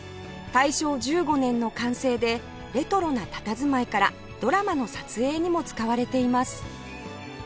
大正１５年の完成でレトロなたたずまいからドラマの撮影にも使われています